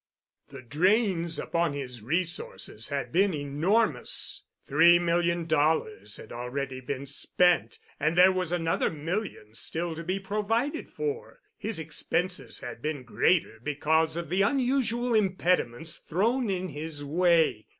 The drains upon his resources had been enormous. Three million dollars had already been spent, and there was another million still to be provided for. His expenses had been greater because of the unusual impediments thrown in his way.